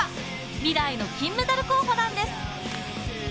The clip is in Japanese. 未来の金メダル候補なんです。